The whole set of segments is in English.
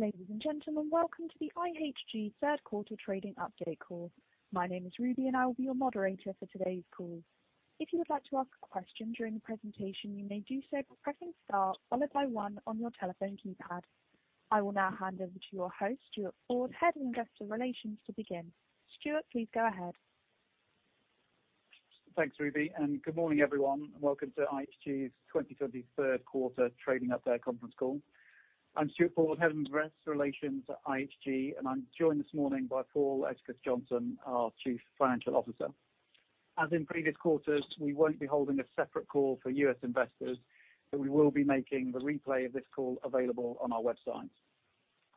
Ladies and gentlemen, welcome to the IHG third quarter trading update call. My name is Ruby, and I will be your moderator for today's call. If you would like to ask a question during the presentation, you may do so by pressing star followed by one on your telephone keypad. I will now hand over to your host, Stuart Ford, Head of Investor Relations to begin. Stuart, please go ahead. Thanks, Ruby. Good morning, everyone. Welcome to IHG's 2020 third quarter trading update conference call. I'm Stuart Ford, Head of Investor Relations at IHG. I'm joined this morning by Paul Edgecliffe-Johnson, our Chief Financial Officer. As in previous quarters, we won't be holding a separate call for U.S. investors. We will be making the replay of this call available on our website.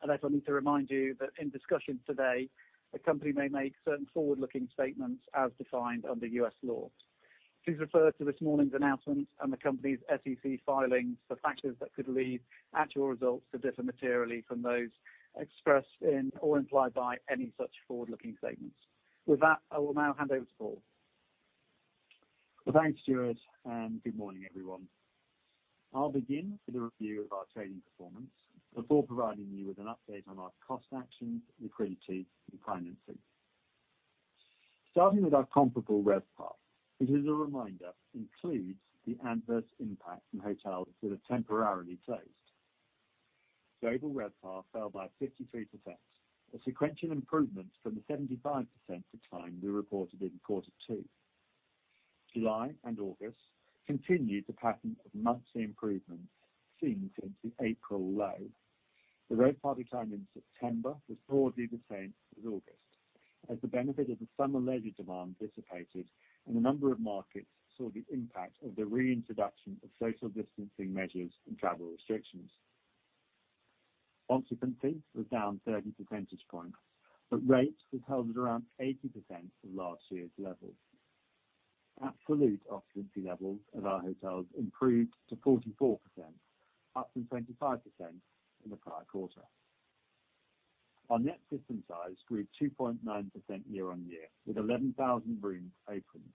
I need to remind you that in discussions today, the company may make certain forward-looking statements as defined under U.S. law. Please refer to this morning's announcement and the company's SEC filings for factors that could lead actual results to differ materially from those expressed in or implied by any such forward-looking statements. With that, I will now hand over to Paul. Thanks, Stuart. Good morning, everyone. I'll begin with a review of our trading performance before providing you with an update on our cost actions, liquidity, and financing. Starting with our comparable RevPAR, which as a reminder, includes the adverse impact from hotels that are temporarily closed. Global RevPAR fell by 53%, a sequential improvement from the 75% decline we reported in quarter two. July and August continued the pattern of monthly improvements seen since the April low. The RevPAR decline in September was broadly the same as August, as the benefit of the summer leisure demand dissipated, and a number of markets saw the impact of the reintroduction of social distancing measures and travel restrictions. Occupancy was down 30 percentage points, but rates were held at around 80% of last year's levels. Absolute occupancy levels of our hotels improved to 44%, up from 25% in the prior quarter. Our net system size grew 2.9% year-on-year, with 11,000 rooms opened.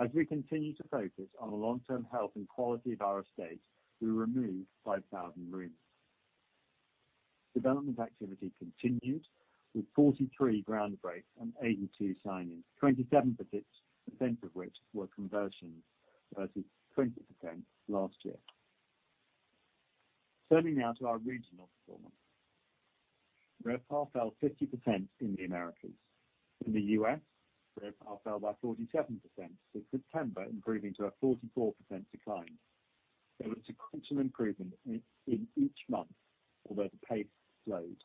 As we continue to focus on the long-term health and quality of our estate, we removed 5,000 rooms. Development activity continued with 43 ground breaks and 82 signings, 27% of which were conversions versus 20% last year. Turning now to our regional performance. RevPAR fell 50% in the Americas. In the U.S., RevPAR fell by 47% since September, improving to a 44% decline. There was a sequential improvement in each month, although the pace slowed.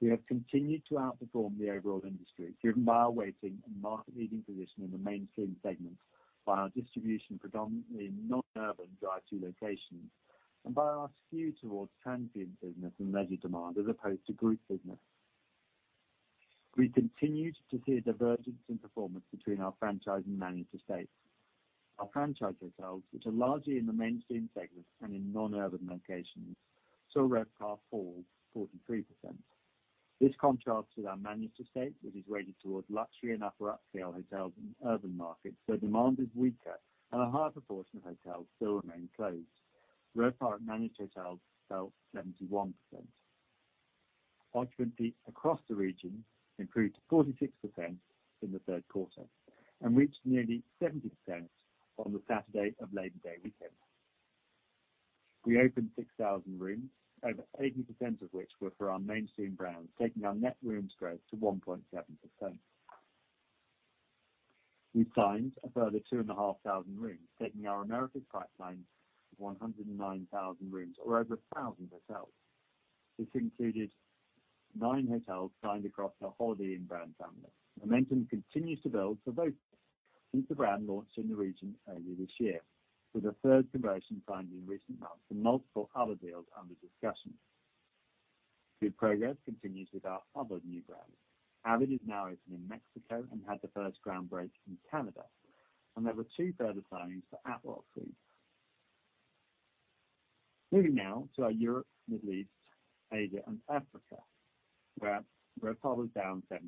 We have continued to outperform the overall industry driven by our weighting and market-leading position in the mainstream segments by our distribution predominantly in non-urban drive-to locations, and by our skew towards transient business and leisure demand as opposed to group business. We continued to see a divergence in performance between our franchise and managed estate. Our franchise hotels, which are largely in the mainstream segments and in non-urban locations, saw RevPAR fall 43%. This contrasts with our managed estate, which is weighted towards luxury and upper upscale hotels in urban markets where demand is weaker and a higher proportion of hotels still remain closed. RevPAR at managed hotels fell 71%. Occupancy across the region improved to 46% in the third quarter and reached nearly 70% on the Saturday of Labor Day weekend. We opened 6,000 rooms, over 80% of which were for our mainstream brands, taking our net rooms growth to 1.7%. We signed a further 2,500 rooms, taking our Americas pipeline to 109,000 rooms or over 1,000 hotels. This included nine hotels signed across our Holiday Inn brand family. Momentum continues to build for voco since the brand launched in the region earlier this year with a third conversion signed in recent months and multiple other deals under discussion. Good progress continues with our other new brands. Avid is now open in Mexico and had the first ground break in Canada. There were two further signings for Atwell Suites. Moving now to our Europe, Middle East, Asia, and Africa, where RevPAR was down 70%.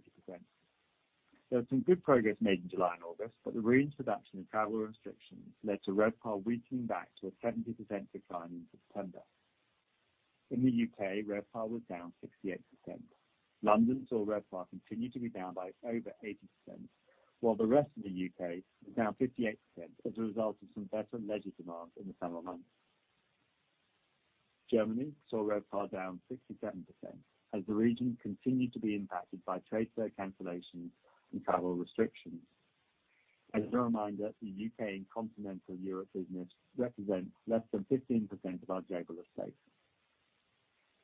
There was some good progress made in July and August, but the reintroduction of travel restrictions led to RevPAR weakening back to a 70% decline in September. In the U.K., RevPAR was down 68%. London saw RevPAR continue to be down by over 80%, while the rest of the U.K. was down 58% as a result of some better leisure demand in the summer months. Germany saw RevPAR down 67% as the region continued to be impacted by trade fair cancellations and travel restrictions. As a reminder, the U.K. and continental Europe business represents less than 15% of our global estate.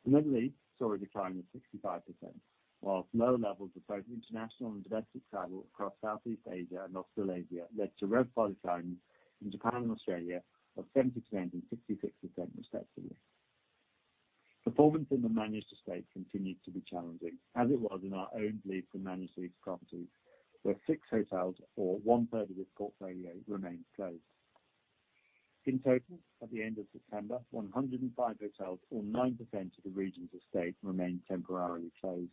The Middle East saw a decline of 65%, whilst low levels of both international and domestic travel across Southeast Asia and North Asia led to RevPAR declines in Japan and Australia of 70% and 66% respectively. Performance in the managed estate continued to be challenging as it was in our own leased and managed estate, where six hotels or one-third of this portfolio remains closed. In total, at the end of September, 105 hotels or 9% of the region's estate remained temporarily closed.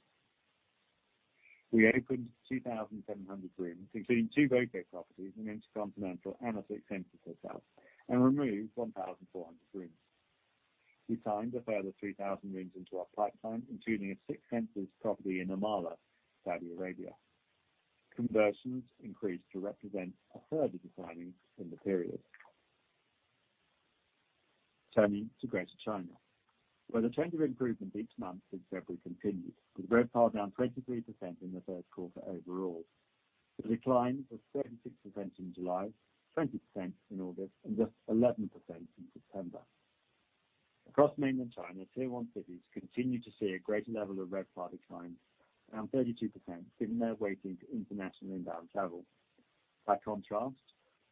We opened 2,700 rooms, including two voco properties, an InterContinental, and a Six Senses Hotel, and removed 1,400 rooms. We signed a further 3,000 rooms into our pipeline, including a Six Senses property in AlUla, Saudi Arabia. Conversions increased to represent a third of the signings in the period. Turning to Greater China, where the trend of improvement each month since February continued, with RevPAR down 23% in the third quarter overall. The decline was 36% in July, 20% in August, and just 11% in September. Across mainland China, tier 1 cities continued to see a greater level of RevPAR decline, around 32%, given their weighting to international inbound travel. By contrast,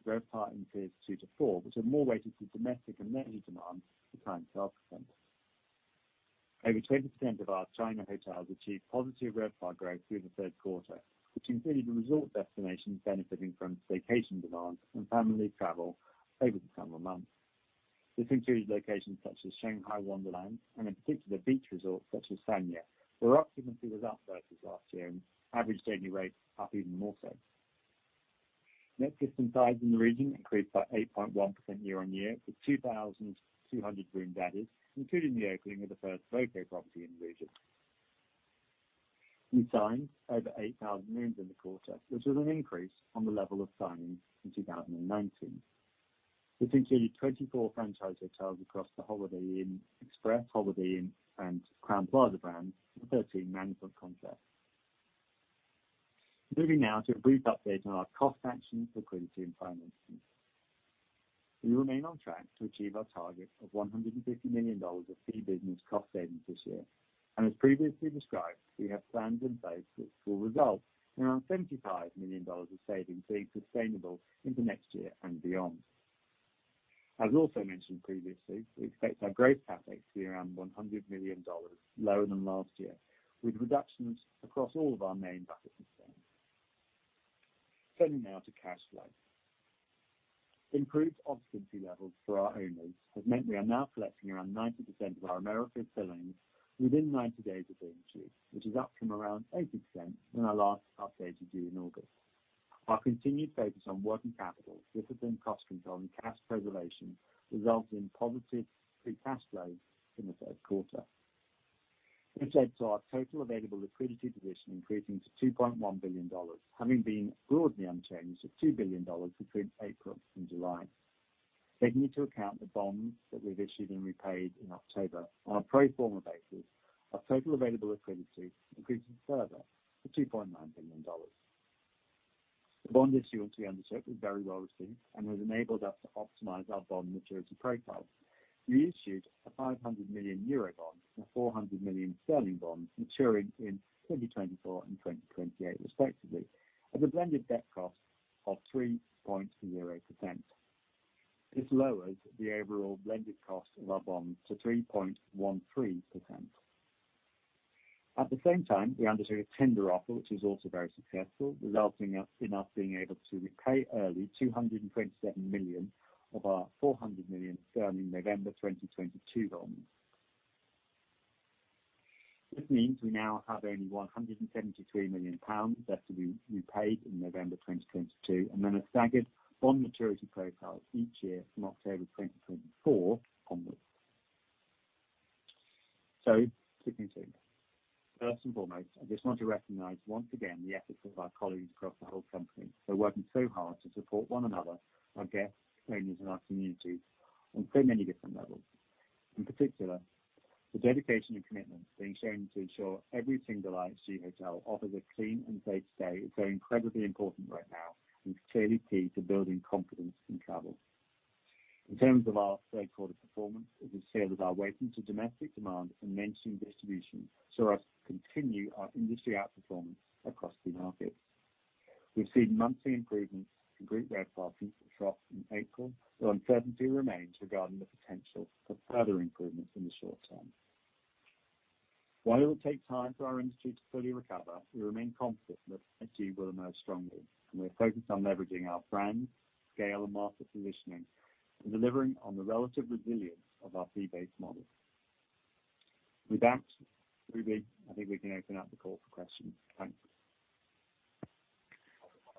RevPAR in tiers 2 to 4, which are more weighted to domestic and leisure demand, declined 12%. Over 20% of our China hotels achieved positive RevPAR growth through the third quarter, which included the resort destinations benefiting from staycation demand and family travel over the summer months. This included locations such as Shanghai Wonderland and in particular beach resorts such as Sanya, where occupancy was up versus last year, and average daily rates up even more so. Net system size in the region increased by 8.1% year-on-year, with 2,200 rooms added, including the opening of the first voco property in the region. We signed over 8,000 rooms in the quarter, which was an increase on the level of signings in 2019. This included 24 franchise hotels across the Holiday Inn Express, Holiday Inn, and Crowne Plaza brands, and 13 management contracts. Moving now to a brief update on our cost actions, liquidity, and financing. We remain on track to achieve our target of GBP 150 million of fee business cost savings this year. As previously described, we have plans in place which will result in around GBP 75 million of savings being sustainable into next year and beyond. As also mentioned previously, we expect our gross CapEx to be around GBP 100 million lower than last year, with reductions across all of our main bucket systems. Turning now to cash flow. Improved occupancy levels for our owners has meant we are now collecting around 90% of our Americas billings within 90 days of being achieved, which is up from around 80% when I last updated you in August. Our continued focus on working capital, discipline, cost control, and cash preservation resulted in positive free cash flow in the third quarter, which adds to our total available liquidity position increasing to GBP 2.1 billion, having been broadly unchanged at GBP 2 billion between April and July. Taking into account the bonds that we've issued and repaid in October, on a pro forma basis, our total available liquidity increases further to GBP 2.9 billion. The bond issuance we undertook was very well received and has enabled us to optimize our bond maturity profile. We issued a 500 million euro bond and a 400 million sterling bond maturing in 2024 and 2028 respectively, at a blended debt cost of 3.0%. This lowers the overall blended cost of our bonds to 3.13%. At the same time, we undertook a tender offer, which was also very successful, resulting in us being able to repay early 227 million of our 400 million sterling November 2022 bond. This means we now have only 173 million pounds left to be repaid in November 2022, and then a staggered bond maturity profile each year from October 2024 onwards. To conclude, first and foremost, I just want to recognize once again the efforts of our colleagues across the whole company for working so hard to support one another, our guests, owners and our communities on so many different levels. In particular, the dedication and commitment being shown to ensure every single IHG hotel offers a clean and safe stay is so incredibly important right now and clearly key to building confidence in travel. In terms of our third quarter performance, as I said, as our weighting to domestic demand and mainstream distribution saw us continue our industry outperformance across key markets. We've seen monthly improvements in group RevPAR since its trough in April, though uncertainty remains regarding the potential for further improvements in the short term. While it will take time for our industry to fully recover, we remain confident that IHG will emerge strongly, and we are focused on leveraging our brand, scale, and market positioning and delivering on the relative resilience of our fee-based model. With that, Ruby, I think we can open up the call for questions. Thanks.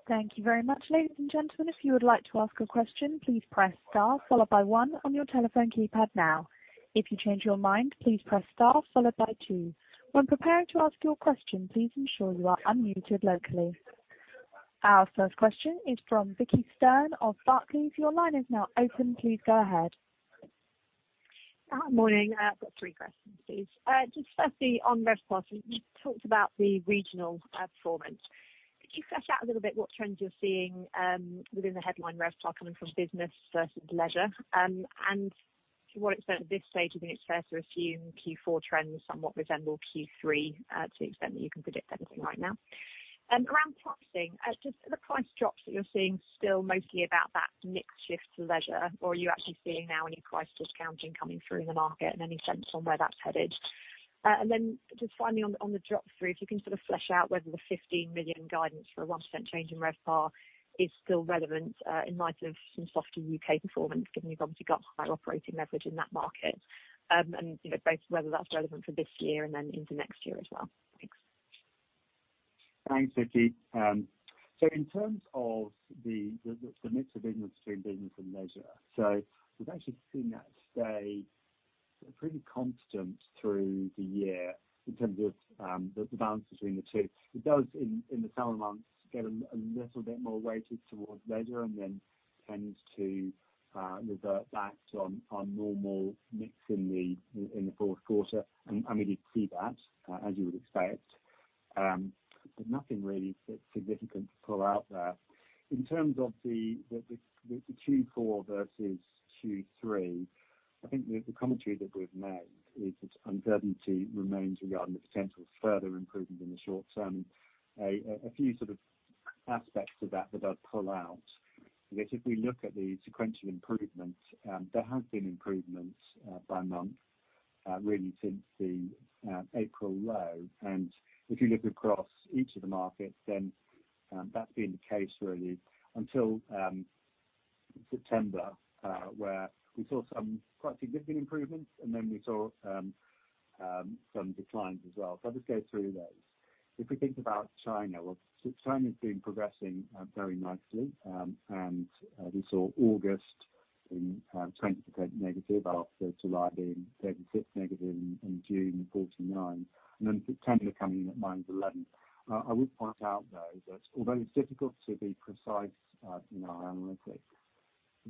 Thank you very much. Ladies and gentlemen, if you would like to ask a question, please press star followed by one on your telephone keypad now. If you change your mind, please press star followed by two. When preparing to ask your question, please ensure you are unmuted locally. Our first question is from Vicki Stern of Barclays. Your line is now open. Please go ahead. Hi. Morning. I've got three questions, please. Just firstly, on RevPAR, you talked about the regional performance. Could you flesh out a little bit what trends you're seeing within the headline RevPAR coming from business versus leisure? To what extent at this stage do you think it's fair to assume Q4 trends somewhat resemble Q3, to the extent that you can predict anything right now? Around pricing, just are the price drops that you're seeing still mostly about that mix shift to leisure, or are you actually seeing now any price discounting coming through in the market and any sense on where that's headed? Just finally on the drop-through, if you can sort of flesh out whether the 15 million guidance for a 1% change in RevPAR is still relevant in light of some softer U.K. performance, given you've obviously got higher operating leverage in that market, and both whether that's relevant for this year and then into next year as well. Thanks. Thanks, Vicki. In terms of the mix of business between business and leisure, so we've actually seen that stay pretty constant through the year in terms of the balance between the two. It does, in the summer months, get a little bit more weighted towards leisure and then tends to revert back to our normal mix in the fourth quarter. We did see that, as you would expect. Nothing really significant to pull out there. In terms of the Q4 versus Q3, I think the commentary that we've made is that uncertainty remains regarding the potential further improvement in the short term. A few aspects of that I'd pull out is that if we look at the sequential improvements, there have been improvements by month, really since the April low. If you look across each of the markets, that's been the case until September, where we saw some quite significant improvements, we saw some declines as well. I'll just go through those. If we think about China, well, China's been progressing very nicely. We saw August in 20% negative after July being 36% negative, in June, 49%, September coming in at -11%. I would point out, though, that although it's difficult to be precise in our analytics,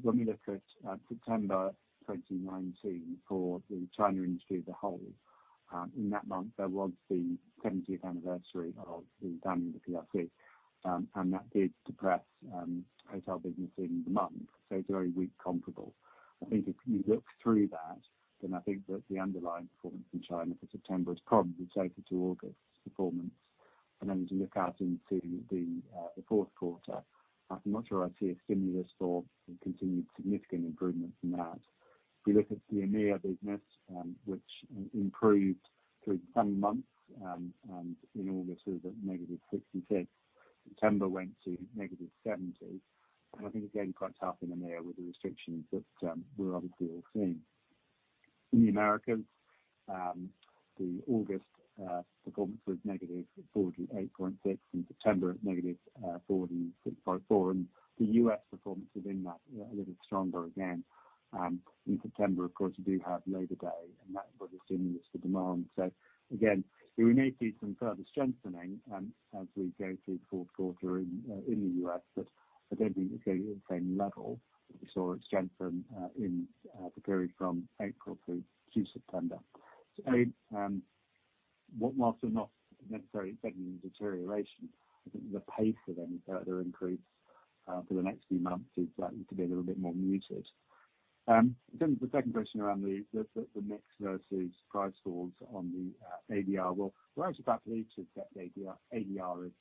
when we look at September 2019 for the China industry as a whole, in that month, there was the 70th anniversary of the founding of the PRC, that did depress hotel business in the month. It's very weak comparable. I think if you look through that, then I think that the underlying performance in China for September is probably closer to August's performance. Then as you look out into the fourth quarter, I'm not sure I see a stimulus or a continued significant improvement from that. If you look at the EMEA business, which improved through the summer months, in August was at -66%. September went to -70%. I think it's getting quite tough in EMEA with the restrictions that we're obviously all seeing. In the Americas, the August performance was -48.6%, in September, -46.4%, and the U.S. performance is in that, a little stronger again. In September, of course, you do have Labor Day, and that was a stimulus to demand. Again, we may see some further strengthening as we go through the fourth quarter in the U.S., but I don't think it's going to be the same level that we saw it strengthen in the period from April through to September. Whilst I'm not necessarily expecting a deterioration, I think the pace of any further increase for the next few months is likely to be a little bit more muted. In terms of the second question around the mix versus price falls on the ADR, well, we're actually about pleased with ADR. ADR is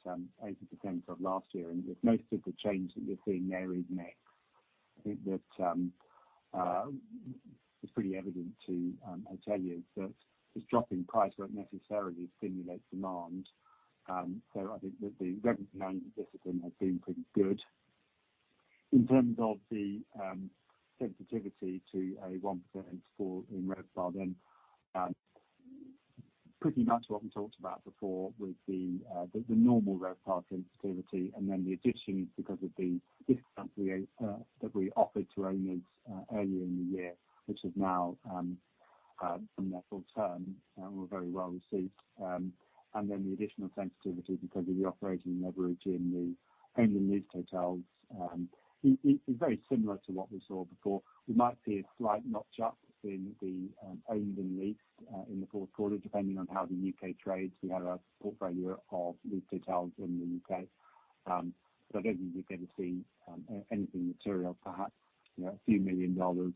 80% of last year, and most of the change that you're seeing there is mix. I think that it's pretty evident to hoteliers that just dropping price won't necessarily stimulate demand. I think that the revenue management discipline has been pretty good. In terms of the sensitivity to a 1% fall in RevPAR, pretty much what we talked about before with the normal RevPAR sensitivity, and then the additional is because of the discount that we offered to owners earlier in the year, which has now come to its term and were very well received. The additional sensitivity because of the operating leverage in the owned and leased hotels. It's very similar to what we saw before. We might see a slight notch up in the owned and leased in the fourth quarter, depending on how the U.K. trades. We have a portfolio of leased hotels in the U.K. I don't think we're going to see anything material, perhaps a few million dollars,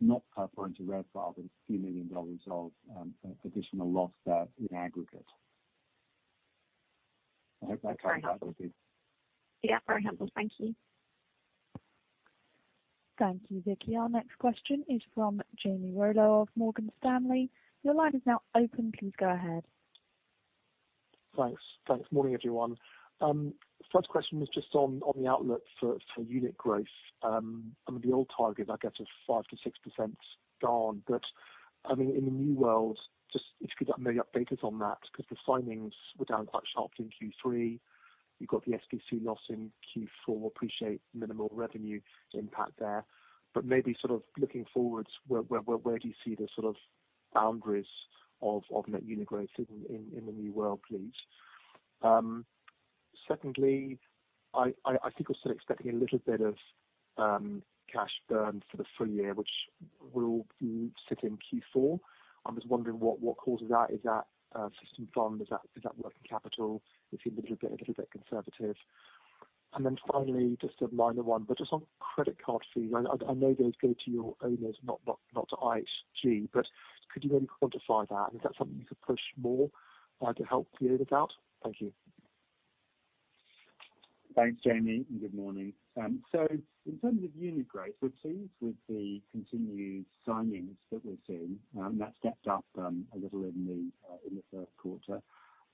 not pertaining to RevPAR, but a few million dollars of additional loss there in aggregate. I hope that covers that, Vicki. Yeah, very helpful. Thank you. Thank you, Vicki. Our next question is from Jamie Rollo of Morgan Stanley. Your line is now open. Please go ahead. Thanks. Morning, everyone. First question was just on the outlook for unit growth. I mean, the old target, I guess is 5%-6% gone. I mean, in the new world, if you could maybe update us on that because the signings were down quite sharply in Q3. You've got the SVC loss in Q4. Appreciate minimal revenue impact there. Maybe sort of looking forwards, where do you see the sort of boundaries of net unit growth in the new world, please? Secondly, I think we're still expecting a little bit of cash burn for the full year, which will sit in Q4. I'm just wondering what caused that. Is that System Fund? Is that working capital? You seemed a little bit conservative. Finally, just a minor one, but just on credit card fees, I know those go to your owners, not to IHG, but could you maybe quantify that? Is that something you could push more to help clear the doubt? Thank you. Thanks, Jamie, and good morning. In terms of unit growth, we're pleased with the continued signings that we're seeing. That stepped up a little in the third quarter,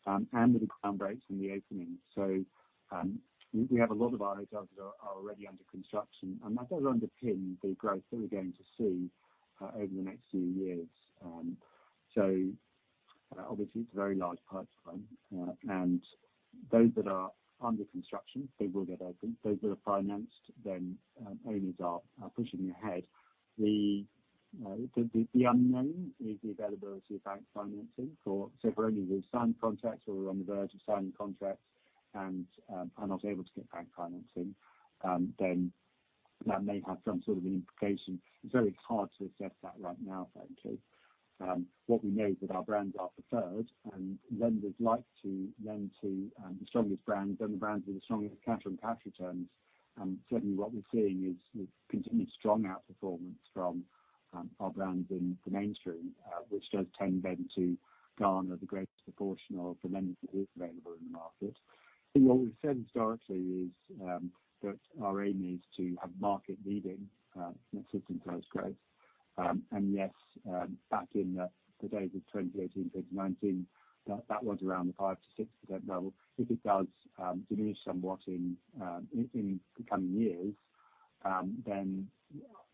and with the ground breaks and the openings. We have a lot of our hotels that are already under construction, and that does underpin the growth that we're going to see over the next few years. Obviously it's a very large pipeline. Those that are under construction, they will get open. Those that are financed, then owners are pushing ahead. The unknown is the availability of bank financing for, say, for owners who've signed contracts or are on the verge of signing contracts and are not able to get bank financing, then that may have some sort of an implication. It's very hard to assess that right now, frankly. What we know is that our brands are preferred and lenders like to lend to the strongest brands and the brands with the strongest cash-on-cash returns. Certainly what we're seeing is continued strong outperformance from our brands in the mainstream, which does tend then to garner the greatest proportion of the lending that is available in the market. I think what we've said historically is that our aim is to have market-leading system fees growth. Yes, back in the days of 2018, 2019, that was around the 5%-6% level. If it does diminish somewhat in the coming years,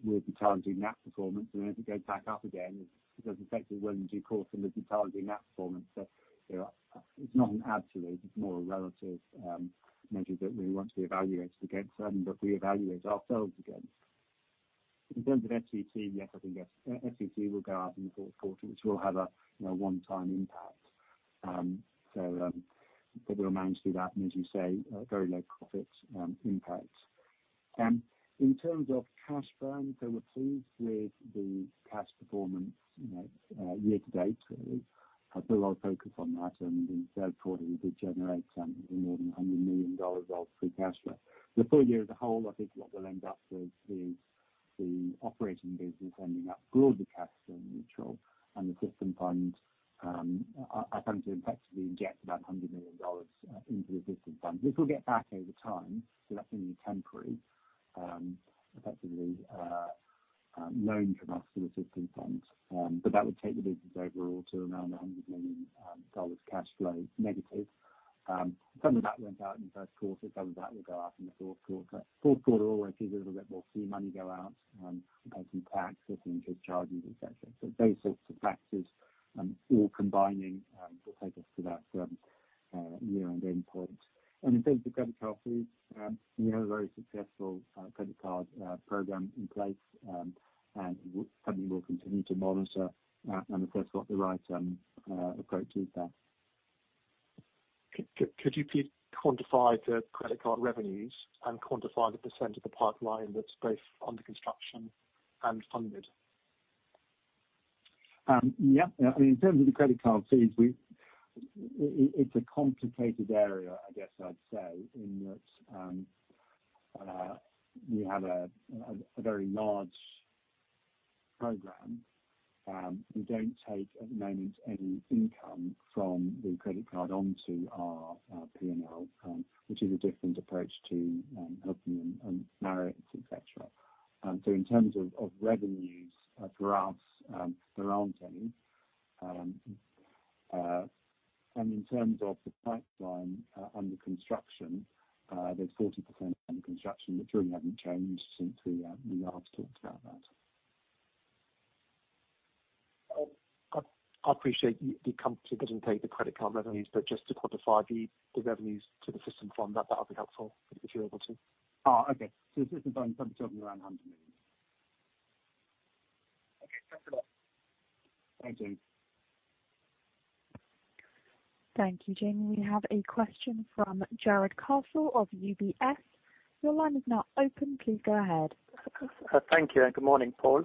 we'll be challenging that performance. If it goes back up again, it doesn't affect it. Of course, we'll be challenging that performance. It's not an absolute, it's more a relative measure that we want to be evaluated against and that we evaluate ourselves against. In terms of SVC, yes, I think SVC will go up in the fourth quarter, which will have a one-time impact. We'll manage through that and as you say, very low profit impact. In terms of cash burn, we're pleased with the cash performance year-to-date. I put a lot of focus on that, and in the third quarter, we did generate more than $100 million of free cash flow. The full year as a whole, I think what we'll end up with is the operating business ending up broadly cash flow neutral and the System Fund, I think we effectively inject about $100 million into the System Fund. This will get back over time, so that's only temporary, effectively a loan from us to the System Fund. That would take the business overall to around GBP 100 million cash flow negative. Some of that went out in the first quarter. Some of that will go out in the fourth quarter. Fourth quarter always sees a little bit more fee money go out, depending on tax, certain interest charges, et cetera. Those sorts of factors all combining will take us to that year-end end point. In terms of credit card fees, we have a very successful credit card program in place, and the company will continue to monitor and, of course, got the right approach with that. Could you please quantify the credit card revenues and quantify the percent of the pipeline that's both under construction and funded? Yeah. In terms of the credit card fees, it's a complicated area, I guess I'd say, in that we have a very large program. We don't take, at the moment, any income from the credit card onto our P&L, which is a different approach to Hilton and Marriott, et cetera. In terms of revenues for us, there aren't any. In terms of the pipeline under construction, there's 40% under construction, which really haven't changed since we last talked about that. I appreciate the company doesn't take the credit card revenues, but just to quantify the revenues to the System Fund, that would be helpful if you're able to. Okay. The System Fund, something around GBP 100 million. Okay. Thanks a lot. Thank you. Thank you, Jamie. We have a question from Jarrod Castle of UBS. Your line is now open. Please go ahead. Thank you and good morning, Paul.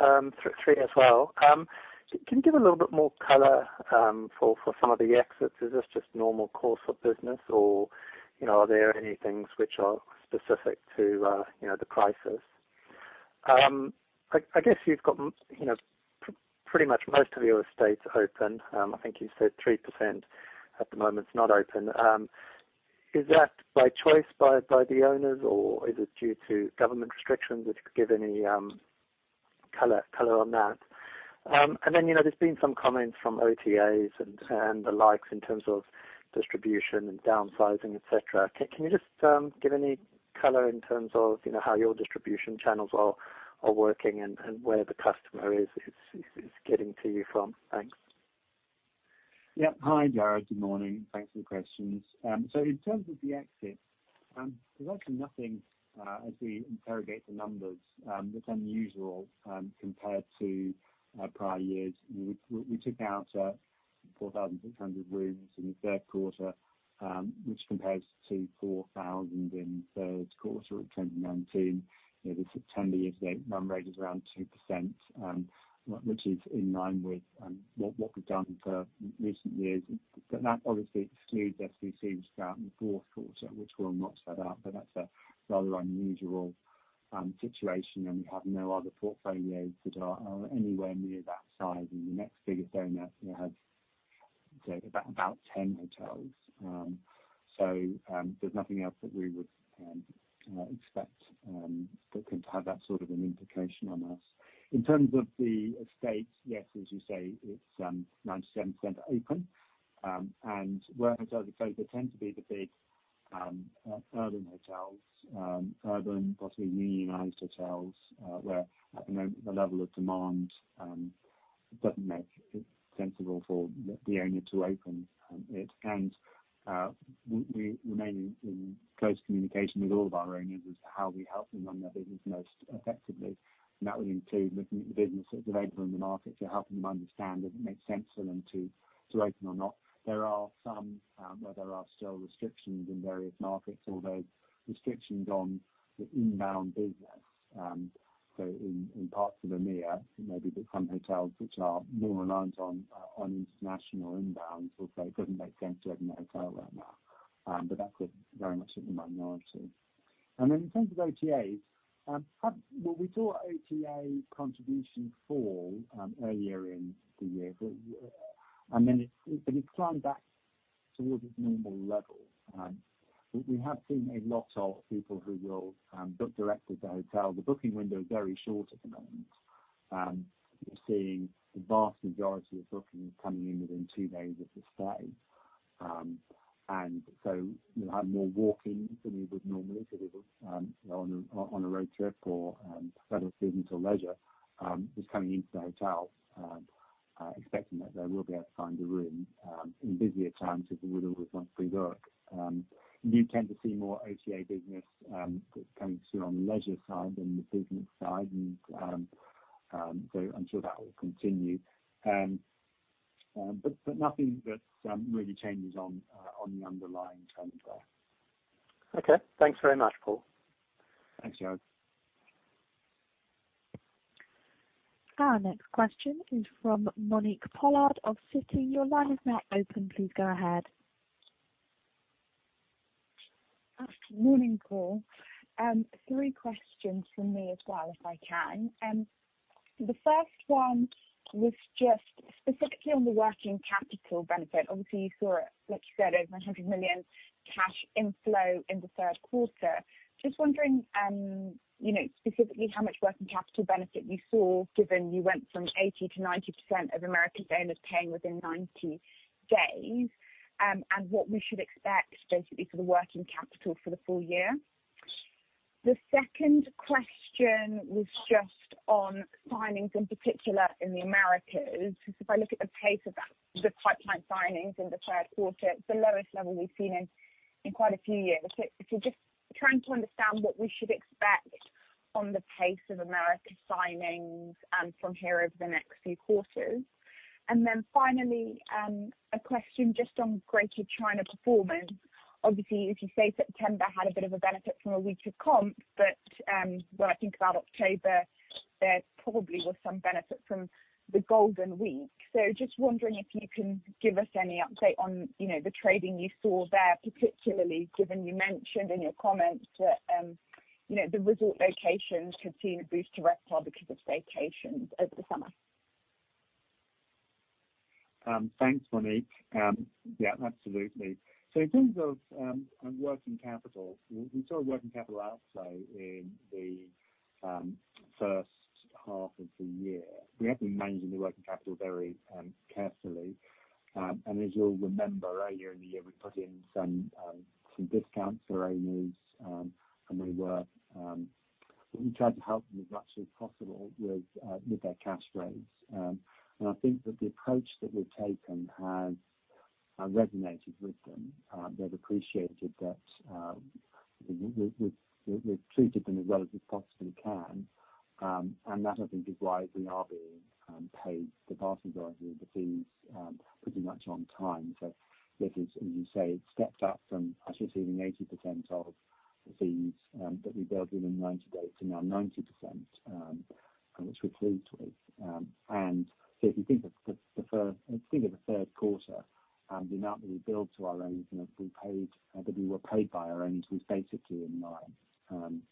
Three as well. Can you give a little bit more color for some of the exits? Is this just normal course of business or are there any things which are specific to the crisis? I guess you've got pretty much most of your estates open. I think you said 3% at the moment is not open. Is that by choice by the owners or is it due to government restrictions? If you could give any color on that. There's been some comments from OTAs and the likes in terms of distribution and downsizing, et cetera. Can you just give any color in terms of how your distribution channels are working and where the customer is getting to you from? Thanks. Hi, Jarrod. Good morning. Thanks for the questions. In terms of the exits, there's actually nothing as we interrogate the numbers, that's unusual compared to prior years. We took out 4,600 rooms in the third quarter, which compares to 4,000 in third quarter of 2019. The 10-year run rate is around 2%, which is in line with what we've done for recent years. That obviously excludes SVC, which is out in the fourth quarter, which will not sped up. That's a rather unusual situation, and we have no other portfolios that are anywhere near that size. The next biggest owner has about 10 hotels. There's nothing else that we would expect that can have that sort of an implication on us. In terms of the estates, yes, as you say, it's 97% open. Where hotels are closed, they tend to be the big urban hotels, urban possibly unionized hotels, where at the moment the level of demand doesn't make it sensible for the owner to open it. We remain in close communication with all of our owners as to how we help them run their business most effectively, and that would include looking at the business that's available in the market to helping them understand if it makes sense for them to open or not. There are some where there are still restrictions in various markets, although restrictions on the inbound business. In parts of EMEA, maybe some hotels which are more reliant on international inbounds, also it doesn't make sense to open a hotel right now. That's very much in the minority. In terms of OTAs, well, we saw OTA contribution fall earlier in the year, but it's climbed back towards its normal level. We have seen a lot of people who will book direct with the hotel. The booking window is very short at the moment. We're seeing the vast majority of bookings coming in within two days of the stay. We'll have more walk-ins than we would normally because people on a road trip or for business or leisure, just coming into the hotel, expecting that they will be able to find a room. In busier times, people would always want pre-book. You tend to see more OTA business that's coming through on the leisure side than the business side, and so I'm sure that will continue. Nothing that really changes on the underlying trend there. Okay. Thanks very much, Paul. Thanks, Jarrod. Our next question is from Monique Pollard of Citi. Your line is now open. Please go ahead. Morning, Paul. Three questions from me as well, if I can. The first one was just specifically on the working capital benefit. Obviously, you saw it, like you said, over 100 million cash inflow in the third quarter. Just wondering, specifically how much working capital benefit you saw, given you went from 80%-90% of Americas owners paying within 90 days, and what we should expect basically for the working capital for the full year. The second question was just on signings in particular in the Americas. If I look at the pace of the pipeline signings in the third quarter, it's the lowest level we've seen in quite a few years. Finally, a question just on Greater China performance. Obviously, as you say, September had a bit of a benefit from a weaker comp, but when I think about October, there probably was some benefit from the Golden Week. Just wondering if you can give us any update on the trading you saw there, particularly given you mentioned in your comments that the resort locations had seen a boost to RevPAR because of staycations over the summer? Thanks, Monique. Yeah, absolutely. In terms of working capital, we saw working capital outflow in the first half of the year. We have been managing the working capital very carefully. As you'll remember, earlier in the year, we put in some discounts for owners, and we tried to help them as much as possible with their cash flows. I think that the approach that we've taken has resonated with them. They've appreciated that we've treated them as well as we possibly can, and that I think is why we are being paid the vast majority of the fees pretty much on time. This is, as you say, it's stepped up from us receiving 80% of the fees that we billed within 90 days to now 90%, which we're pleased with. If you think of the third quarter, the amount that we billed to our owners and that we were paid by our owners was basically in line.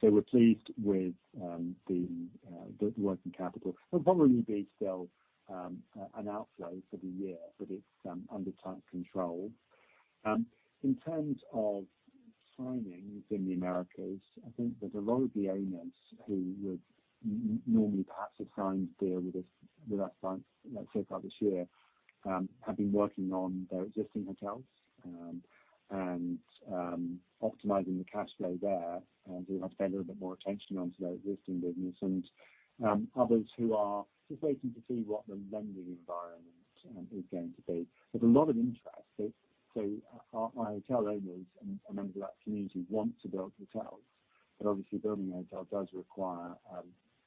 We're pleased with the working capital. There'll probably be still an outflow for the year, but it's under tight control. In terms of signings in the Americas, I think that a lot of the owners who would normally perhaps have signed a deal with us so far this year, have been working on their existing hotels and optimizing the cash flow there, and they have to pay a little bit more attention onto their existing business and others who are just waiting to see what the lending environment is going to be. There's a lot of interest. Our hotel owners and members of that community want to build hotels, but obviously building a hotel does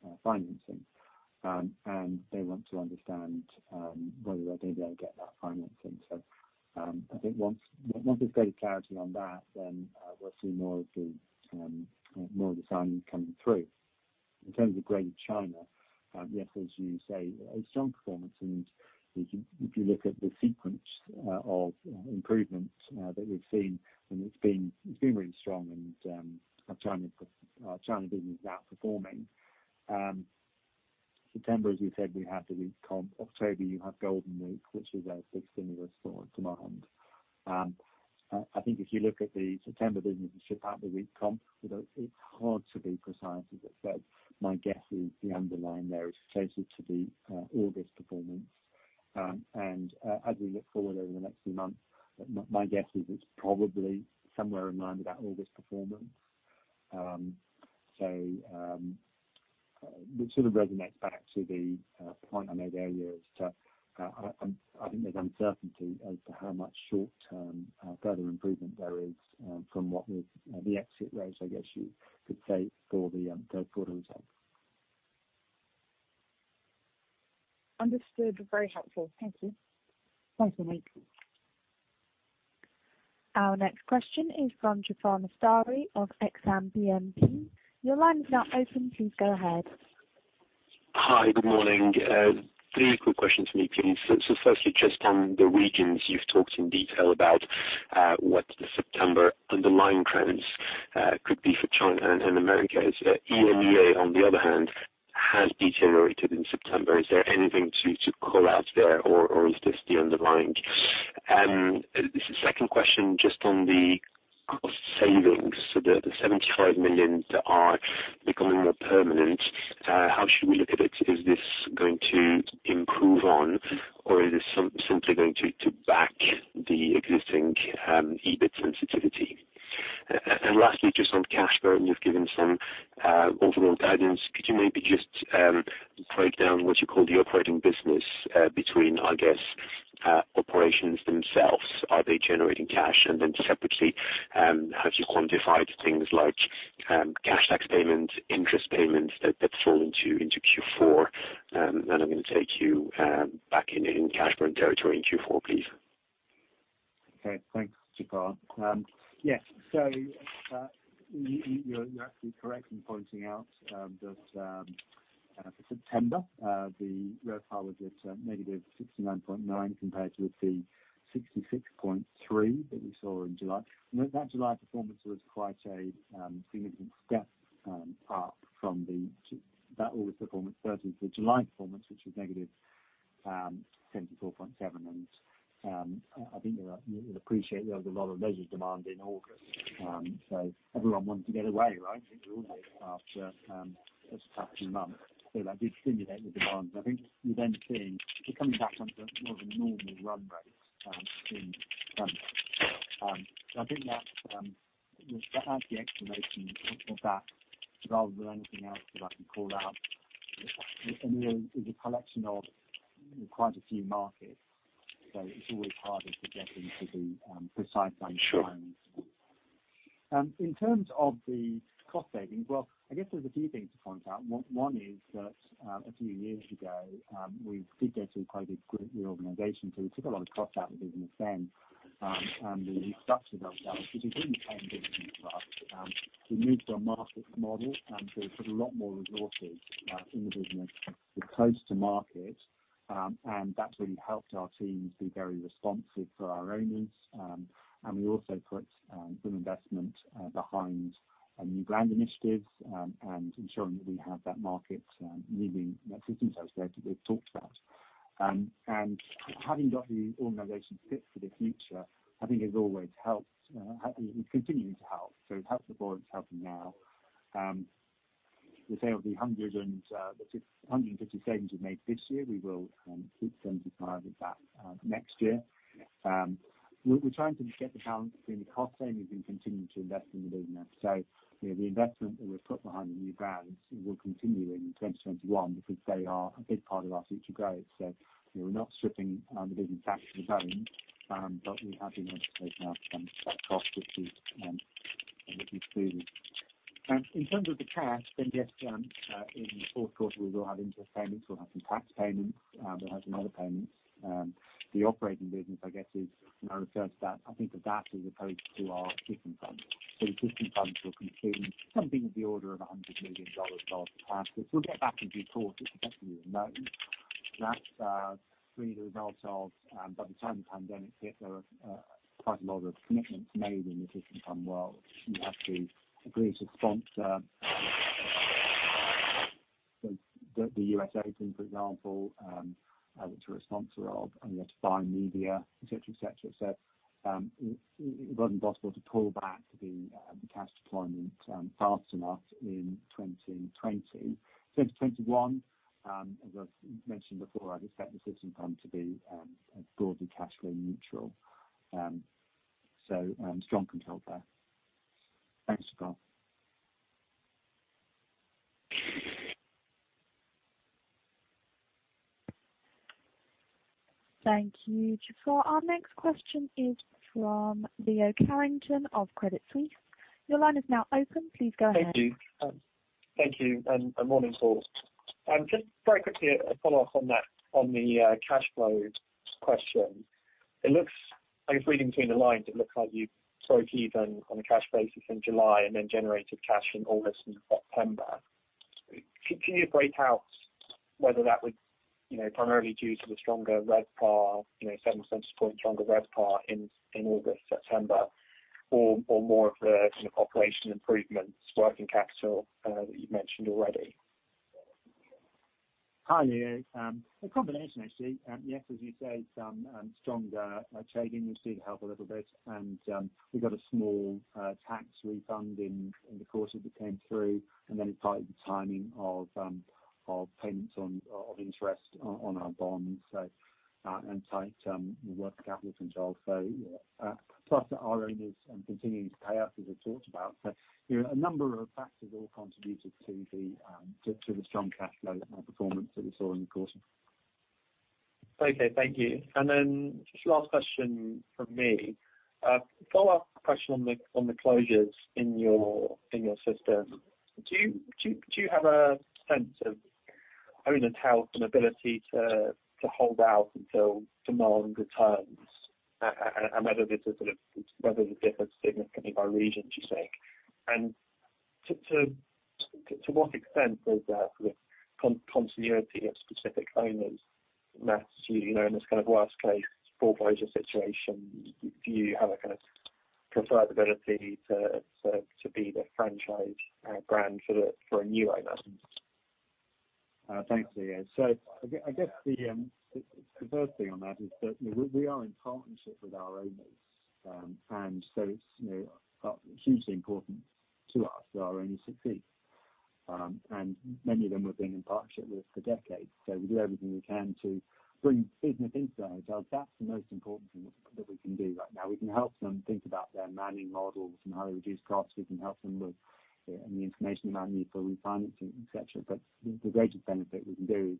require financing. They want to understand whether they're going to be able to get that financing. I think once we've got clarity on that, then we'll see more of the signings coming through. In terms of Greater China, yes, as you say, a strong performance. If you look at the sequence of improvements that we've seen, it's been really strong and our China business is outperforming. September, as we said, we had the weak comp. October, you have Golden Week, which was a big stimulus for demand. I think if you look at the September business apart the weak comp, it's hard to be precise, as I said, my guess is the underlying there is closer to the August performance. As we look forward over the next few months, my guess is it's probably somewhere in line with that August performance, which resonates back to the point I made earlier as to I think there's uncertainty as to how much short-term further improvement there is from what was the exit rate, I guess you could say, for the third quarter result. Understood. Very helpful. Thank you. Thanks, Monique. Our next question is from Jaafar Mestari of Exane BNP. Your line is now open. Please go ahead. Hi. Good morning. Three quick questions for me, please. Firstly, just on the regions you've talked in detail about, what the September underlying trends could be for China and Americas. EMEA, on the other hand, has deteriorated in September. Is there anything to call out there, or is this the underlying? Second question, just on the cost savings, the 75 million that are becoming more permanent, how should we look at it? Is this going to improve on, or is this simply going to back the existing EBIT sensitivity? Lastly, just on cash burn, you've given some overall guidance. Could you maybe just break down what you call the operating business between, I guess, operations themselves, are they generating cash? Separately, have you quantified things like cash tax payment, interest payments that fall into Q4? I'm going to take you back in cash burn territory in Q4, please. Okay. Thanks, Jaafar. Yes, you're actually correct in pointing out that for September, the RevPAR was at -69.9% compared with the 66.3% that we saw in July. Note that July performance was quite a significant step up from that August performance versus the July performance, which was -74.7%. I think you'll appreciate there was a lot of leisure demand in August, so everyone wanted to get away, right? I think we all needed a holiday after a tough few months. That did stimulate the demand. I think you're then seeing it coming back onto more of a normal run rate in front of us. I think that's the explanation of that rather than anything else that I can call out. In the collection of quite a few markets, so it's always harder to get into the precise timelines. Sure. In terms of the cost savings, well, I guess there's a few things to point out. One is that a few years ago, we did go through quite a big reorganization. We took a lot of cost out of the business then, and the restructure that we had, which has been quite different for us. We moved to a market model, so we put a lot more resources in the business close to market, and that's really helped our teams be very responsive for our owners. We also put some investment behind new brand initiatives and ensuring that we have that market-leading systems I said that we've talked about. Having got the organization fit for the future, I think has always helped and continuing to help. It helped before, it's helping now. We say of the 150 savings we've made this year, we will keep 75 of that next year. We're trying to get the balance between the cost savings and continuing to invest in the business. The investment that we've put behind the new brands will continue in 2021 because they are a big part of our future growth. We're not stripping the business back to the bone, but we have been able to take out some cost, which we've seen. In terms of the cash, yes, in the fourth quarter, we will have interest payments, we'll have some tax payments, we'll have some other payments. The operating business, I guess is referred to that. I think of that as opposed to our System Fund. System Fund will consume something in the order of GBP 100 million of cash. We'll get back into free cash flow as effectively as known. That's really the result of, by the time the pandemic hit, there were quite a lot of commitments made in the existing System Fund world. You have to agree to sponsor the U.S. open, for example, which we're a sponsor of, and you have to buy media, et cetera. It was impossible to pull back the cash deployment fast enough in 2020. 2021, as I've mentioned before, I'd expect the System Fund to be broadly cash flow neutral. Strong control there. Thanks, Paul. Thank you, Jaafar. Our next question is from Leo Carrington of Credit Suisse. Your line is now open. Please go ahead. Thank you. Thank you. Morning, all. Just very quickly, a follow-up on the cash flow question. I guess reading between the lines, it looks like you broke even on a cash basis in July and then generated cash in August and September. Can you break out whether that was primarily due to the stronger RevPAR, 7 percentage point stronger RevPAR in August, September, or more of the operational improvements, working capital that you've mentioned already? Hi, Leo. A combination, actually. Yes, as you say, some stronger trading, which did help a little bit. We got a small tax refund in the course of that came through, and then it tied the timing of payments of interest on our bonds and tight working capital controls. Our owners continuing to pay us, as I talked about. A number of factors all contributed to the strong cash flow performance that we saw. Okay, thank you. Just last question from me. A follow-up question on the closures in your system. Do you have a sense of owner health and ability to hold out until demand returns, and whether this is sort of, whether this differs significantly by region, do you think? To what extent is there continuity of specific owners that, in this kind of worst case foreclosure situation, do you have a kind of preferred ability to be the franchise brand for a new owner? Thanks, Leo. I guess the first thing on that is that we are in partnership with our owners. It's hugely important to us that our owners succeed. Many of them we've been in partnership with for decades. We do everything we can to bring business into our hotels. That's the most important thing that we can do right now. We can help them think about their manning models and how they reduce costs. We can help them with any information they might need for refinancing, et cetera. The greatest benefit we can do is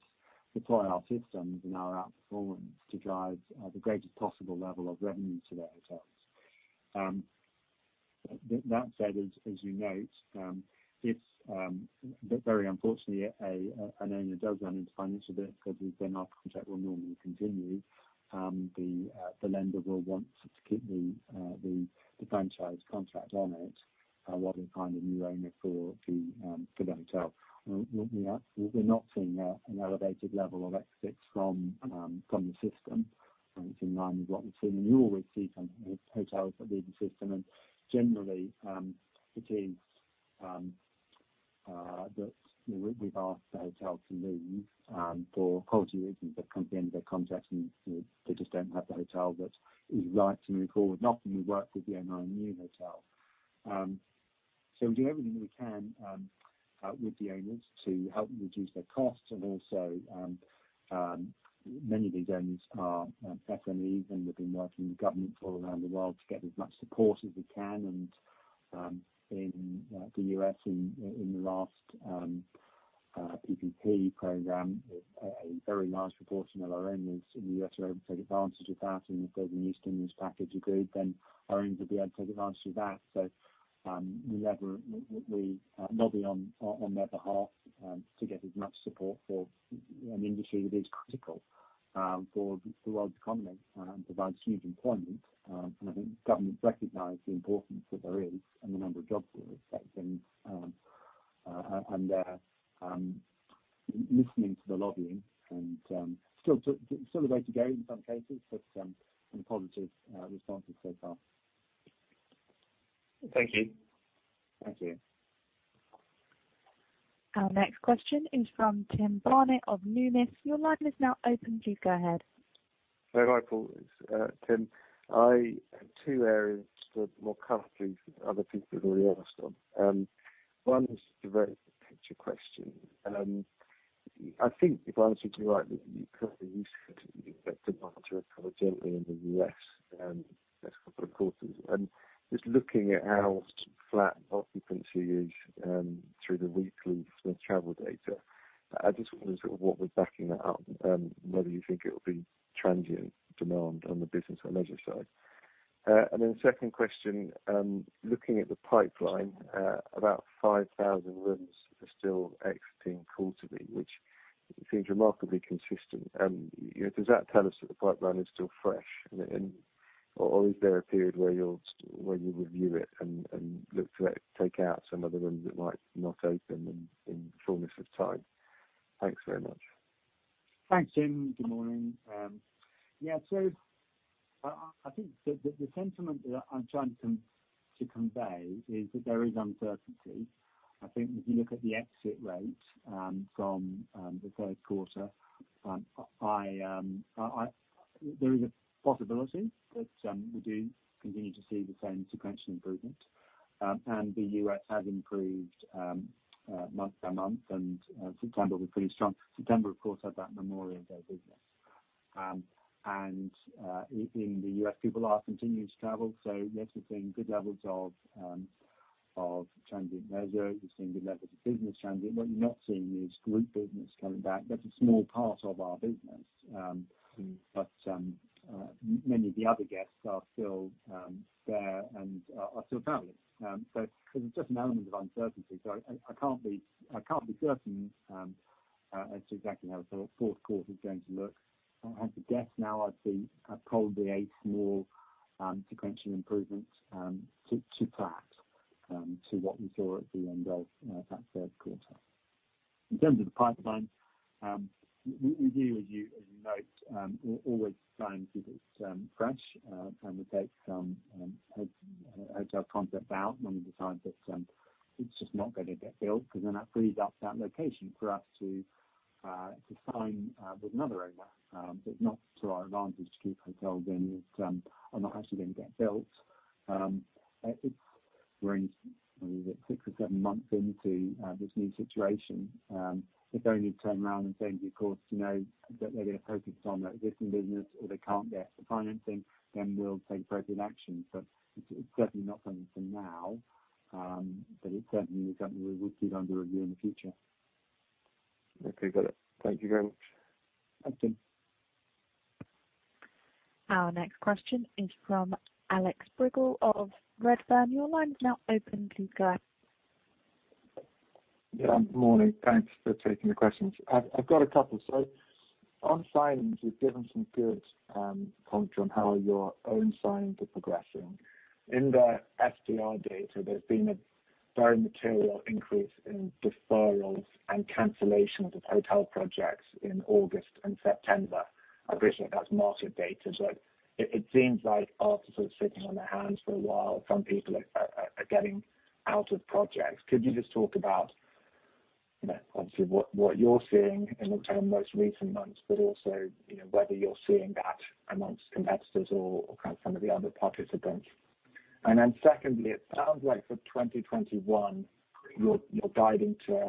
deploy our systems and our out-performance to drive the greatest possible level of revenue to their hotels. That said, as you note, if very unfortunately, an owner does run into financial difficulties, then our contract will normally continue. The lender will want to keep the franchise contract on it while we find a new owner for the hotel. We're not seeing an elevated level of exits from the system. It's in line with what we've seen. You always see some hotels that leave the system, and generally, it is that we've asked the hotel to leave for quality reasons. They've come to the end of their contract, and they just don't have the hotel that is right. We call it, and often we work with the owner on a new hotel. We do everything we can with the owners to help them reduce their costs, and also, many of these owners are SMEs, and we've been working with governments all around the world to get as much support as we can. In the U.S., in the last PPP program, a very large proportion of our owners in the U.S. were able to take advantage of that, and if there's a new stimulus package agreed, then our owners will be able to take advantage of that. We lobby on their behalf to get as much support for an industry that is critical for the world's economy, provides huge employment. I think governments recognize the importance that there is and the number of jobs that are affected, and they're listening to the lobbying and still a way to go in some cases, but some positive responses so far. Thank you. Thank you. Our next question is from Tim Barrett of Numis. Your line is now open, please go ahead. Hi, Paul. It's Tim. I have two areas that were covered through other people that already asked on. One is a very picture question. I think if I understand you right, that you, [inaudible] that demand to recover gently in the U.S. next couple of quarters. Just looking at how flat occupancy is through the weekly travel data, I just wonder what was backing that up and whether you think it will be transient demand on the business and leisure side. Second question, looking at the pipeline, about 5,000 rooms are still exiting quarterly, which seems remarkably consistent. Does that tell us that the pipeline is still fresh? Or is there a period where you'll review it and look to take out some of the rooms that might not open in fullness of time? Thanks very much. Thanks, Tim. Good morning. Yeah, I think the sentiment that I'm trying to convey is that there is uncertainty. I think if you look at the exit rate from the third quarter, there is a possibility that we do continue to see the same sequential improvement, and the U.S. has improved month by month, and September was pretty strong. September, of course, had that Labor Day business. In the U.S., people are continuing to travel, so yes, we're seeing good levels of transient leisure. We're seeing good levels of business transient. What we're not seeing is group business coming back. That's a small part of our business, but many of the other guests are still there and are still traveling. There's just an element of uncertainty. I can't be certain as to exactly how the fourth quarter is going to look. I have to guess now I'd see probably a small sequential improvement to flat to what we saw at the end of that third quarter. In terms of the pipeline, we do, as you note, we're always trying to keep it fresh, trying to take some hotel concept out when we decide that it's just not going to get built, because then that frees up that location for us to sign with another owner. It's not to our advantage to keep hotels in that are not actually going to get built. We're in, what is it. Six or seven months into this new situation. If they only turn around and say, because they're either focused on their existing business or they can't get the financing, we'll take appropriate action. It's certainly not something for now, but it's certainly something we will keep under review in the future. Okay, got it. Thank you very much. Thanks, Tim. Our next question is from Alex Brignall of Redburn. Your line is now open. Please go ahead. Yeah, good morning. Thanks for taking the questions. I've got a couple. On signings, you've given some good color on how your own signings are progressing. In the STR data, there's been a very material increase in deferrals and cancellations of hotel projects in August and September. I appreciate that's market data. It seems like after sort of sitting on their hands for a while, some people are getting out of projects. Could you just talk about, obviously, what you're seeing in terms of most recent months, but also whether you're seeing that amongst competitors or kind of some of the other participants? Secondly, it sounds like for 2021, you're guiding to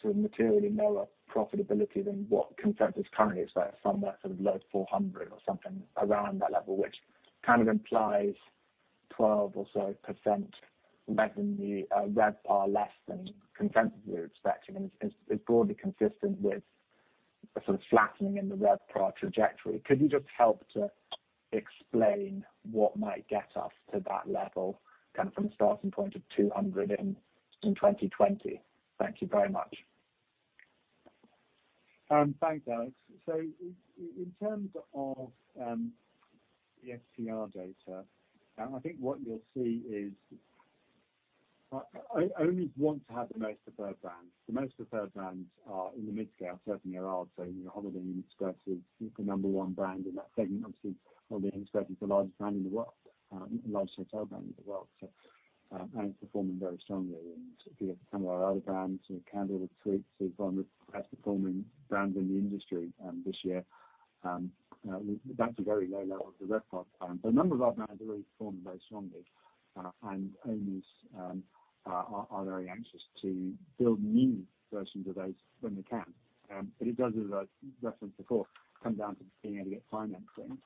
sort of materially lower profitability than what consensus currently is, like somewhere sort of low 400 or something around that level, which kind of implies 12% or so revenue RevPAR less than consensus were expecting and is broadly consistent with a sort of flattening in the RevPAR trajectory. Could you just help to explain what might get us to that level kind of from a starting point of 200 in 2020? Thank you very much. Thanks, Alex. In terms of the STR data, I think what you'll see is owners want to have the most preferred brands. The most preferred brands are in the midscale, certainly are. Holiday Inn Express is the number one brand in that segment. Obviously, Holiday Inn Express is the largest brand in the world, largest hotel brand in the world. It's performing very strongly. If you look at some of our other brands, Candlewood Suites is one of the best-performing brands in the industry this year. That's a very low level of the RevPAR. A number of our brands are really performing very strongly, and owners are very anxious to build new versions of those when they can. It does, as I referenced before, come down to being able to get financing.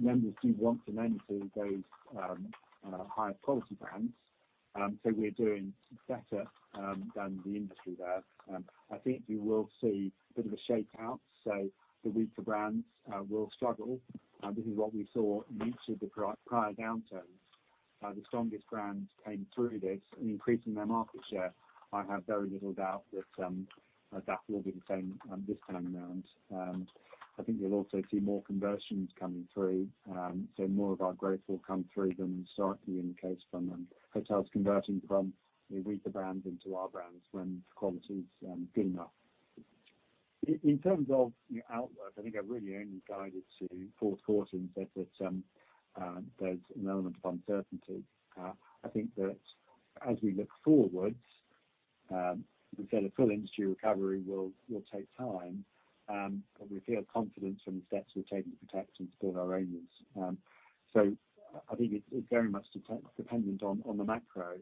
Members do want to lend to those higher-quality brands. We're doing better than the industry there. I think you will see a bit of a shakeout. The weaker brands will struggle. This is what we saw in each of the prior downturns. The strongest brands came through this, increasing their market share. I have very little doubt that will be the same this time around. I think you'll also see more conversions coming through, so more of our growth will come through than historically indicated from hotels converting from weaker brands into our brands when the quality's good enough. In terms of the outlook, I think I've really only guided to fourth quarter and said that there's an element of uncertainty. I think that as we look forwards, we say the full industry recovery will take time, but we feel confidence from the steps we're taking to protect and support our owners. I think it's very much dependent on the macro.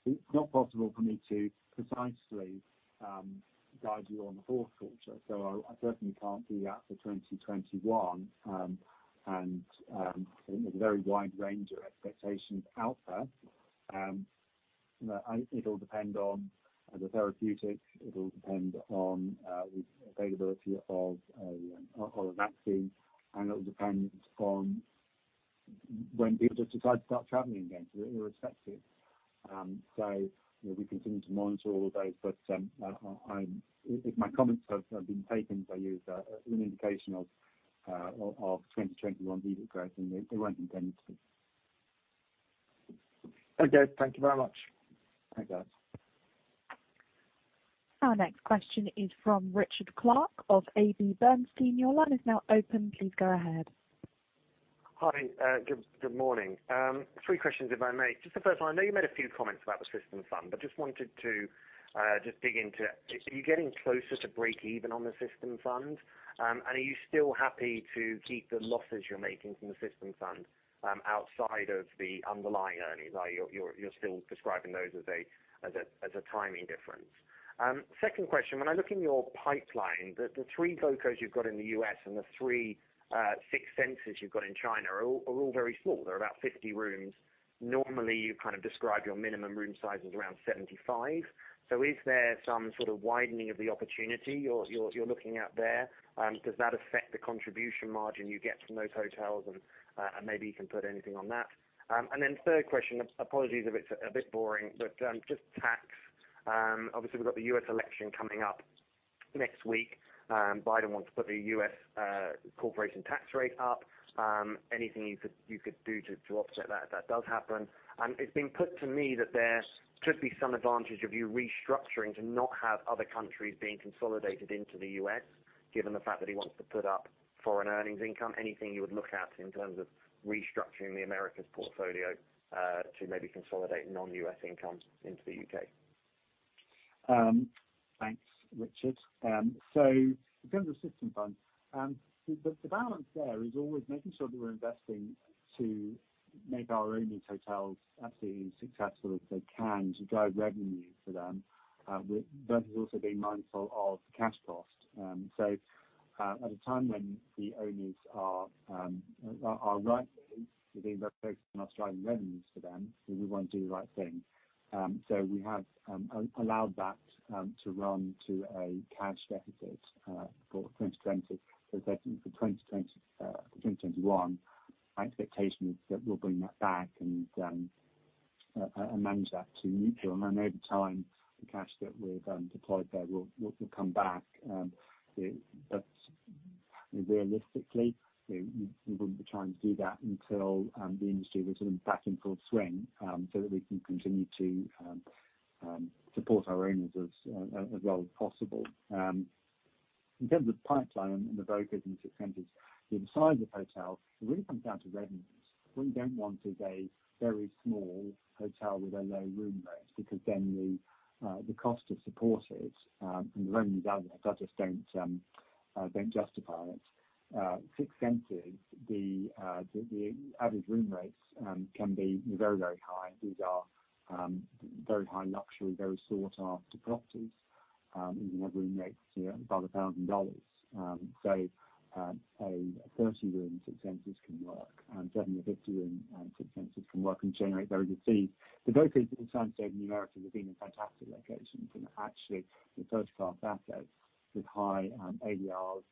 It's not possible for me to precisely guide you on the fourth quarter, so I certainly can't do that for 2021. There's a very wide range of expectations out there. It'll depend on the therapeutics, it'll depend on the availability of a vaccine, and it'll depend on when people just decide to start traveling again, because it reflects it. We continue to monitor all of those. If my comments have been taken by you as an indication of 2021 EBITDA growth, they weren't intended to be. Okay, thank you very much. Thanks, Alex. Our next question is from Richard Clarke of AB Bernstein. Hi, good morning. Three questions if I may. The first one, I know you made a few comments about the System Fund, wanted to dig into it. Are you getting closer to breakeven on the System Fund? Are you still happy to keep the losses you're making from the System Fund outside of the underlying earnings? Are you still describing those as a timing difference? Second question, when I look in your pipeline, the three voco you've got in the U.S. and the three Six Senses you've got in China are all very small. They're about 50 rooms. Normally, you kind of describe your minimum room size as around 75. Is there some sort of widening of the opportunity you're looking at there? Does that affect the contribution margin you get from those hotels? Maybe you can put anything on that. Third question, apologies if it's a bit boring, but just tax. Obviously, we've got the U.S. election coming up next week. Biden wants to put the U.S. corporation tax rate up. Anything you could do to offset that if that does happen? It's been put to me that there could be some advantage of you restructuring to not have other countries being consolidated into the U.S., given the fact that he wants to put up foreign earnings income. Anything you would look at in terms of restructuring the Americas portfolio to maybe consolidate non-U.S. income into the U.K.? Thanks, Richard. In terms of System Fund, the balance there is always making sure that we're investing to make our owners' hotels absolutely as successful as they can to drive revenue for them, but it's also being mindful of cash cost. At a time when the owners are rightly seeing us focus on our strategy revenues for them, we want to do the right thing. We have allowed that to run to a cash deficit for 2020. For 2021, my expectation is that we'll bring that back and manage that to neutral. Over time, the cash that we've deployed there will come back. Realistically, we wouldn't be trying to do that until the industry was sort of back in full swing, so that we can continue to support our owners as well as possible. In terms of pipeline and the voco and Six Senses, the size of hotels, it really comes down to revenues. What we don't want is a very small hotel with a low room rate, because then the cost of support it and the revenues out of it just don't justify it. Six Senses, the average room rates can be very, very high. These are very high luxury, very sought-after properties, even with room rates above $1,000. A 30-room Six Senses can work, and certainly a 50-room Six Senses can work and generate very good fees. The voco and Six Senses in the Americas have been in fantastic locations and actually they're first-class assets with high ADRs,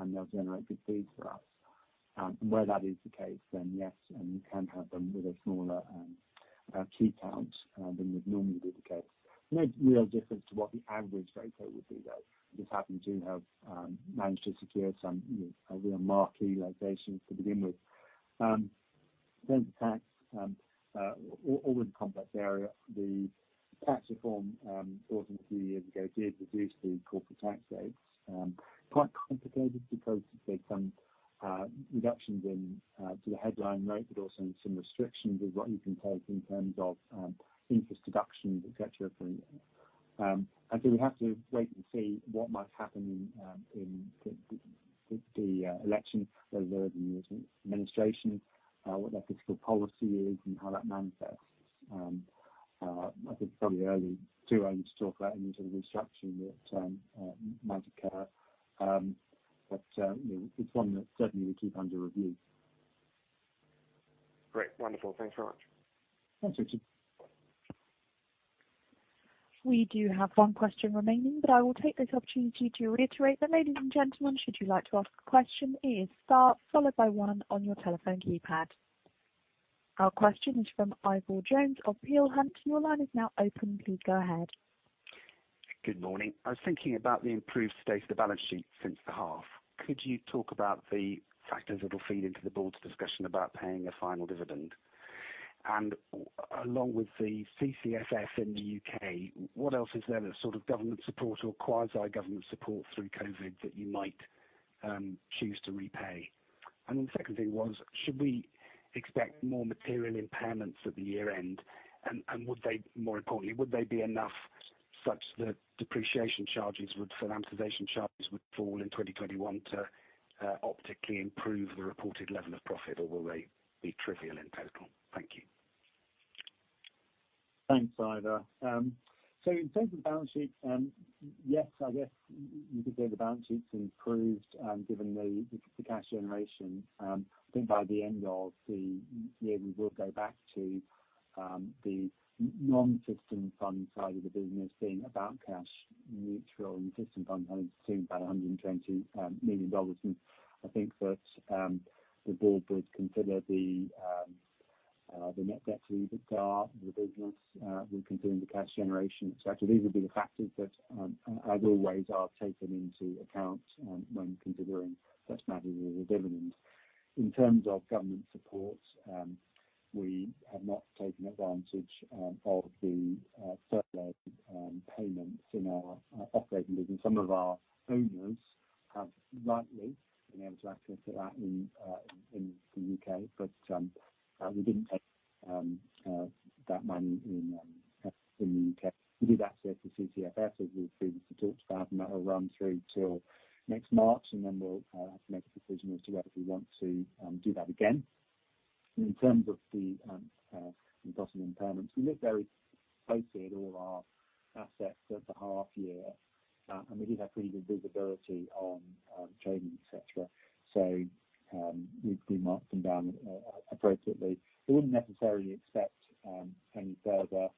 and they'll generate good fees for us. Where that is the case, yes, you can have them with a smaller key count than would normally be the case. No real difference to what the average rate would be, though. Just happen to have managed to secure some real marquee locations to begin with. Tax, always a complex area. The tax reform brought in a few years ago did reduce the corporate tax rates. Quite complicated because there's some reductions in the headline rate, but also some restrictions with what you can take in terms of interest deductions, et cetera. We have to wait and see what might happen in the election, whoever the new administration, what their fiscal policy is and how that manifests. I think it's probably too early to talk about any sort of restructuring that might occur. It's one that certainly we keep under review. Great. Wonderful. Thanks very much. Thanks, Richard. We do have one question remaining, but I will take this opportunity to reiterate that ladies and gentlemen, should you like to ask a question, it is star followed by one on your telephone keypad. Our question is from Ivor Jones of Peel Hunt. Your line is now open. Please go ahead. Good morning. I was thinking about the improved state of the balance sheet since the half. Could you talk about the factors that will feed into the board's discussion about paying a final dividend? Along with the CCFF in the U.K., what else is there that sort of government support or quasi-government support through COVID that you might choose to repay? The second thing was, should we expect more material impairments at the year-end? More importantly, would they be enough such that depreciation charges or amortization charges would fall in 2021 to optically improve the reported level of profit, or will they be trivial in total? Thank you. Thanks, Ivor. In terms of balance sheet, yes, I guess you could say the balance sheet’s improved, given the cash generation. I think by the end of the year, we will go back to the non-System Fund side of the business being about cash neutral, and the System Fund having about GBP 120 million. I think that the board would consider the net debt service of the business when considering the cash generation. Actually, these would be the factors that, as always, are taken into account when considering such matters as a dividend. In terms of government support, we have not taken advantage of the furlough payments in our operating business. Some of our owners have rightly been able to access it out in the U.K., but we didn't take that money in the U.K. We did access the CCFF, as we've previously talked about. That will run through till next March. Then we'll have to make a decision as to whether we want to do that again. In terms of the possible impairments, we looked very closely at all our assets at the half-year. We did have pretty good visibility on trading, et cetera. We've marked them down appropriately. I wouldn't necessarily expect any further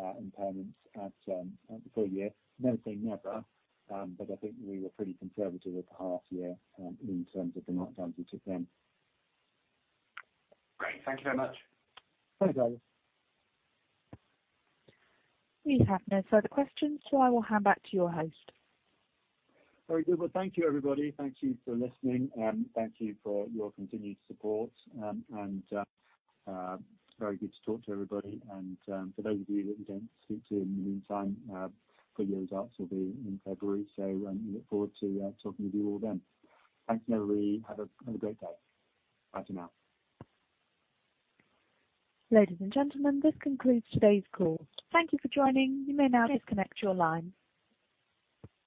impairments at the full-year. Never say never, I think we were pretty conservative at the half-year in terms of the markdowns we took then. Great. Thank you very much. Thanks, Ivor. We have no further questions, I will hand back to your host. Very good. Well, thank you, everybody. Thank you for listening. Thank you for your continued support, and it's very good to talk to everybody. For those of you that we don't speak to in the meantime, full year results will be in February, so we look forward to talking with you all then. Thanks, everybody. Have a great day. Bye for now. Ladies and gentlemen, this concludes today's call. Thank you for joining. You may now disconnect your line.